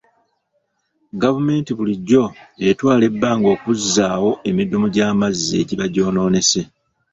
Gavumenti bulijjo etwala ebbanga okuzzaawo emidumu gy'amazzi egiba gyonoonese.